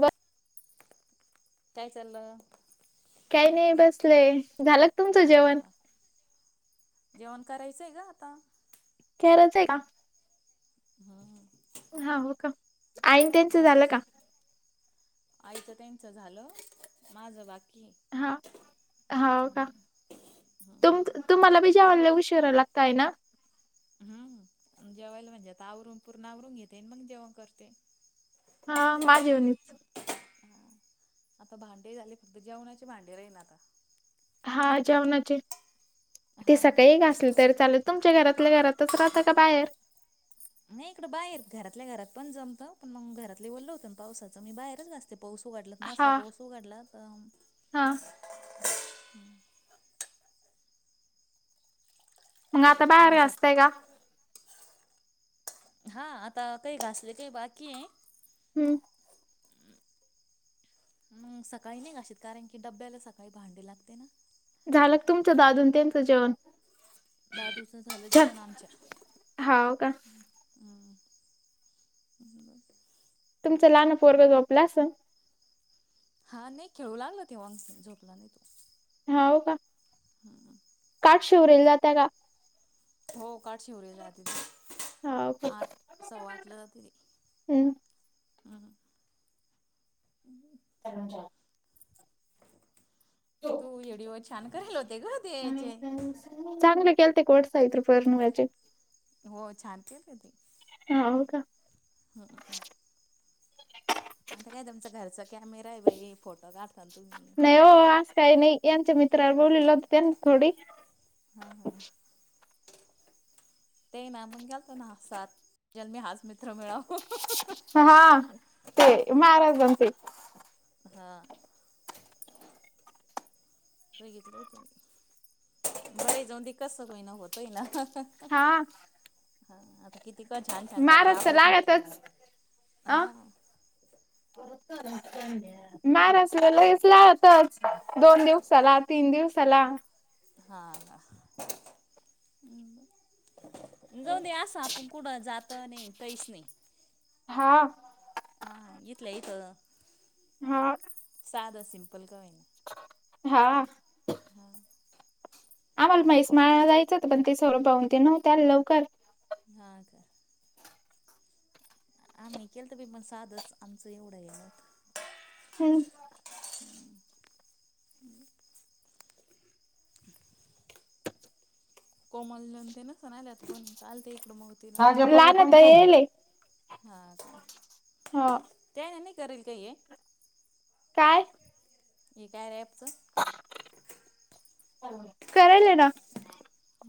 बर काय चाललं काही नाही बसलय झाला क तुमचं हा जेवण का जेवण करायचं आहे ग आता. करायच आहे का? हम्म हा हो का आईन त्यांचं झालं आताच का? त्यांच झालं [inaudible] माझं बाकी हा हो का? हम्म हम्म तुम तुम्हाला बी जेवाला उशीरा लागतय ना हम्म जेवायला म्हणजे आता आवरून पूर्ण आवरून घेते मग जेवण करते हा मा जेवनीच हा आता भांडे झाले फक्त जेवणाचे भांडे राही ना आता. हा जेवणाचे ते हा हा सकाळी एक असलं तरी चालेल तुमच्या घरातल्या घरातच राहत का बाहेर नाही इकडं बाहेर घरातल्या घरात पण जमतं पण मग घरातले ओलं होतं पावसाचं मी बाहेरच घासते पाऊस उघडल नसल हा पाऊस उघडला तर हा मग आता बाहेर मग घासतय का सारखं हा आता काही घासले काही बाकी आहे हम्म मग सकाळी नाही घाशीत कारण की डब्याला सकाळी भांडे लागते ना झालं तुमचं दादून त्यांचं जेवण दादूच झालं छ जेवण आमच्या हाव का ह ब लहान पोरपलं असं हा नाही खेळू लागल तेव्हा झोपला नाही तो हाव का काठ शिवरेल जाता का हो उ जाते हाव का आठ सव्वा आटलं जात र हम्म हम्म [unintelligible] तू येडीिओ छान करायला होते ग ते याचे केल्ते कोडतायत फरन वाजे हो छानतेते ती हा हो का आता काय तुमचा घरचा कॅमेरा आहे बाई फोटो काढता तुम्ही बोलल ना थोडी हम् हम ते ना पण ग्याल त ना हसात ज मी हस म हा ते हा महाराजांचे हा बघितलं होत मी बई जाऊन कस कोई ना होतय ना हा हा आता किती का छान छान करते महाराज तर आपल्याकण लागतच. हा बत मार अस लस लातच दोन दिवसाला तीन दिवस चला हाम् जाऊ दे असा आपण कुठ जात नाही काहीच नाही हा लत हा साधदा संपल ग होई हा हम आम्हाला म्हैस माळला जायचं पण ते स्वरूपाहून ते नव्ह त्या लवकर हा का आम्ही केलं तर बी पण साधच आमचं एवढं येल हम्म ह कोमल ते ना सणा आले आता कोण आल ते इकडं मग तिला लहान तर येयेले. हा हो त्या नाही करेल का ये काय ह काय रेपच करायले ना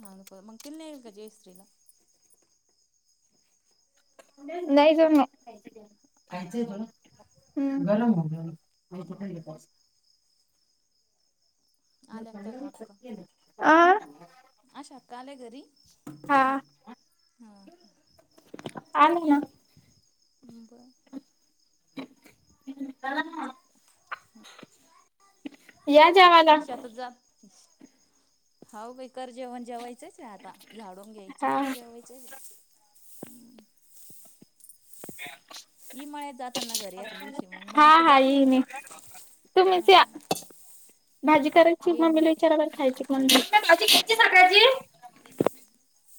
हांक मग तल्लाल का जयश्रीला नाही जा म खयच हा का गरम बरं आल्या का अक्का आ कालेगरी हा आणि ना ह् बर या जेवायला शतात जात हाव काही कर जेवण जेवाय आता झाडून हा घ्यायचं जेवायचं ह माळ्यात जाताना घरी या दिवशी मग हा माळ्यात तर हा जात नाही येईन तू येईन तुम्हीच हा भाजी करायची येईन मम्मीला मी विचारावर खायची कोण हा भा क सगळची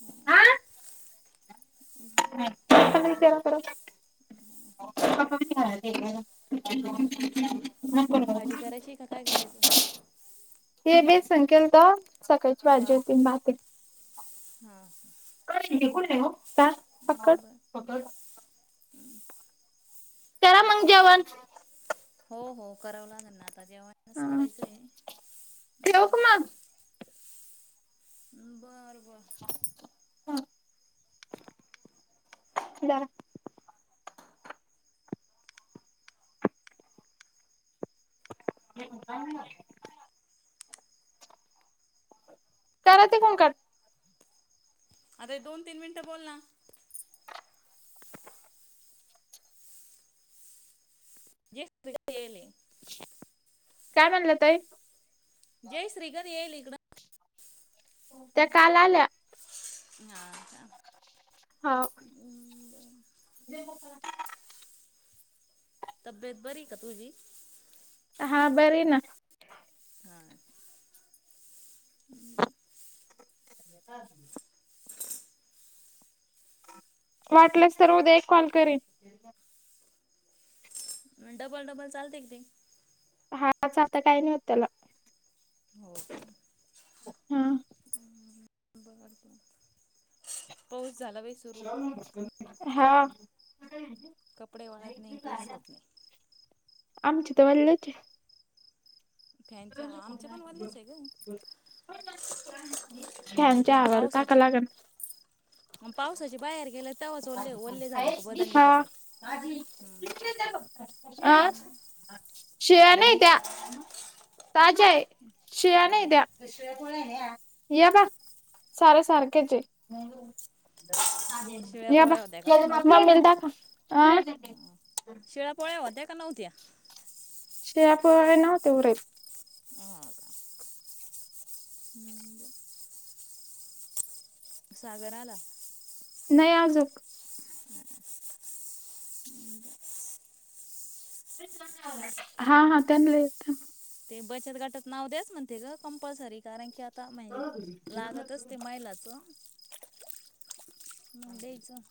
हा विच कर [unintelligible] भाजी करायची का काय करायच? हे बे संकेल तर सकाळची भाजी का होती माती [unintelligible] काय फक्कड बरं करा मग जेवण हो हो करावं लागेल ना आता जेवणच हा करायचंय् ठेवू का मग बरं बर [unintelligible] [unintelligible] करा ते कोण कर अरे दोन तीन मिनिटं बोल ना [unintelligible] काय म्हणला ताई? जय श्रीगद येईल इकडं त्या काल आल्या [unintelligible] हा तब्येत बरी का तूझी? हा बरी ना. [unintelligible] [unintelligible] वाटलंस तर उद्या एक कॉल करेन. डबल डबल चालते की ते हाच आता काही नाही होत त्याला. हा [unintelligible] [unintelligible] सुरू हा कपडे वाळत नाही काहीच होत नाही. आमची तर वल्लीच आहेत. फॅनच्या आमचे पण वाढलेच आहे ग [unintelligible] आता फॅनच्या ते हवाला पावसाचे टाकायला लागत. मग पावसाचे बाहेर गेलात? हा हम्म हम्म. आ. शिळ्या नाही त्या ताज्या हाय शिळ्या नाही त्या या बा. सारे सारखेच ए शिळ्या या बा पोळ्या होत्या का नव्हत्या मम्मीला दाखवा आ. ते होत्या का नव्हत्या? शिळ्या पोळ्या नव्हत्या उरत. [unintelligible] [inaudible] सागर आला. नाही अजूक, [inaudible] [inaudible] हा हा त्यांनले थांब ते बचत गटात नाव द्याच म्हणते ग कंपल्सरी कारण की, आ आता म्हणजे लागत असते महिलांचं म द्यायचं.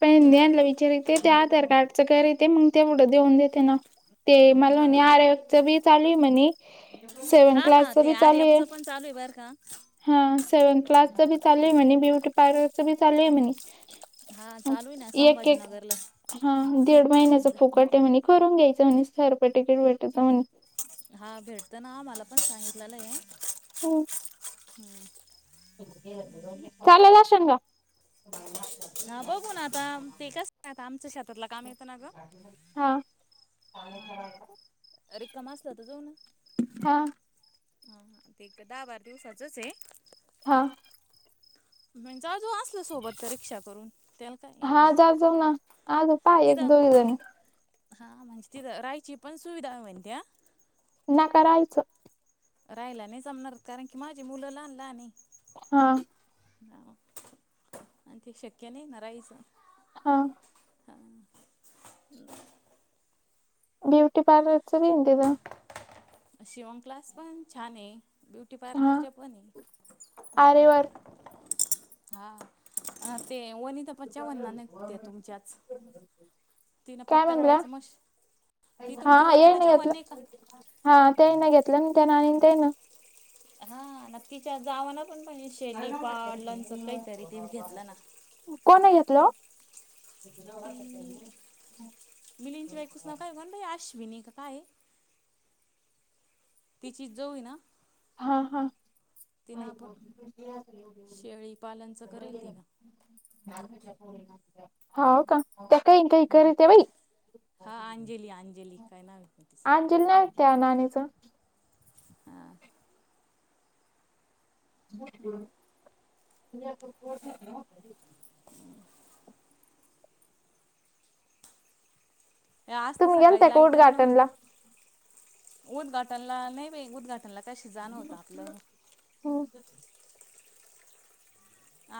पणं ह्यानला विचारी ते त्या आधार कार्डचं करिते, मग तेवढं देऊन देते ना. ते मला हा म्हणे आर एफ च बी चालूए म्हणे सेव्हन हा हा क्लासच ते बी आर चालू एफ आहे. च पण चालूए बर का? हा सेव्हन क्लासच हम्म. बी चालूए म्हणे, ब्युटी पार्लरच बी चालूए म्हणे हा चालू आहे ना एक एक संभाजीनगरला हा दीड महिन्याच विद फुकट आहे म्हने करून घ्यायचं म्हणेस सरपटेकिट भेटत म्हणे हा भेटत ना मला पण सांगितलेलं ए. हो. हम्म. शेंगा हा बघून आता ते कस आता, आमच शेतातला काम येतं ना ग. हा हा रिकाम असला त जाऊन ये. हा हा ते दहा बारा दिवसाचच ए हा. म्हणजे जावू तू असल सोबत तर रिक्षा करून त्याला काय हा एवढं जाज ना आजो पाय एक तिथं दोघजणी हा म्हणजे तिथ राहायची पण सुविधा व्हतीया. म करायचं. राहयला नाही जमणार कारण की, माझी मुलं लहान ल्हान आहेत. हा. ह आणि ते शक्य नाही ना राहायचं. हा. ब्युटी पार्लर च मी दिल शिवन क्लास पण छान आहे. ब्युटी हा पार्लरच्या पणं ए. आरे वर्क हा ते वनीता पण जेवण नार नाही म्हणते तुमच्याच तिनं काय म्हणल्या? पत्तरवाळ्याचं मश ती तुमची हा ये वनिता नाही ह्यातल चव्हाण का हां. ताईना घेतलं अन् तेना आणि ते न हा नक्कीच्या जावानच ते घेतलं ना कोण अ घेतल हो? त मिलींदची बायकोचं नाव काय म्हण बाई अशविनी? आता काय तिची जाऊ ए ना? हा हा तिनं आपण शेळी पालनचं करेल तिनं हो का त्या काही काही हम्म कर ते बाई हा अंजली अंजली काय नातीच अंजली नाही त्या नाणीचा ह ब आज तर तुम्ही सकाळी गेलताय का लाईट उद्घाटनला नव्हती उद्घाटनला नाही बा उद्घाटन त्यांना काय शिजणंवतं आपलं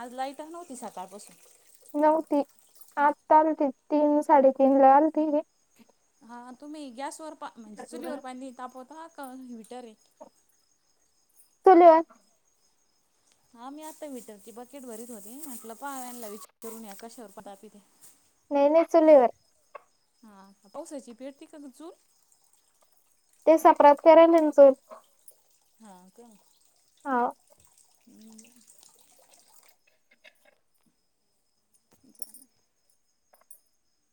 आज लाईटण होतीस तपसून नव्हती आत्ता आलती तीन साडेतीीन ला आलती हा तुम्ही गॅसवर पा म्हणज चुलीवर पा तापत पाक विटर एक सुोलवा हा मी आत्ता मीटरची बकेट भरीत होती म्हटलं पाहाला विचार करून या कशावर प तापीथे नाही नाही चुलीवर हा पावसाची पेटती का चूल? ते सापरात करान चूल हा ओ तेे हा हम्, झालं.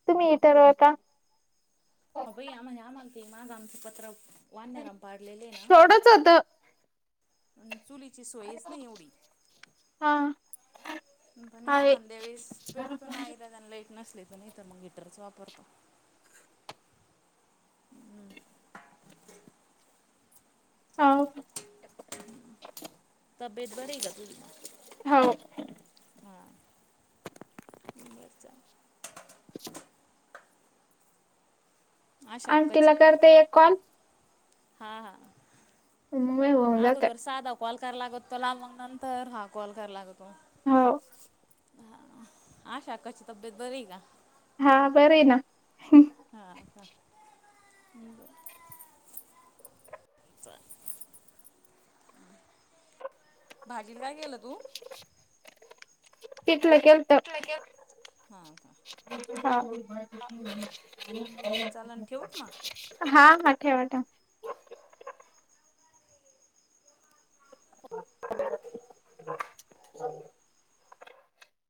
तुम्ही इतर आता. ह भ आम्ह आ माग ते माझं आमचं पत्र वानराने पाडलेले आहे ना. थोडंच होत अ चुलीची सोयच नाही एवढी, हा पण आहे एखाद्या वेळेस पेटू तो नाईलाजाने लाईट नसले तर नाही तर मग हीटरच वापरतो. आवाज तब्येत बरी आहे का तुझी? हो ना हा बर चालत. मयय [inaudible] आशा आणं अक्काची तीला करतेय कॉल. हा हा उम होऊ जा का अगोदर साधा [unintelligible] कॉल कराय लागत तोला मग नंतर हा कॉल कराय लागतो हो, हा हा आशा खाची तब्बेत बरी आहे का? हा बरय ना. हा ह काय, भाजीला काय केलं तू? पीठल केलत. हा का ह बरं चालन ठेवू का मग? हा हा ठेवा ठेवा. ज्ञज्ञम [unintelligible]